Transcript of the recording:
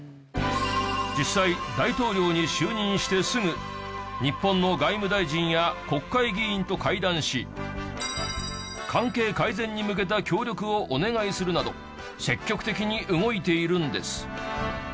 実際大統領に就任してすぐ日本の外務大臣や国会議員と会談し関係改善に向けた協力をお願いするなど積極的に動いているんです。